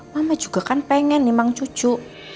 mama juga kan pengen nih emang cucu